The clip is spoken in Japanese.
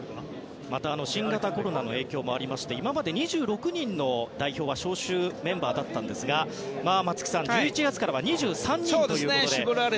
また、新型コロナの影響もありまして今まで２６人の代表が招集メンバーだったんですが松木さん、１１月からは２３人ということで。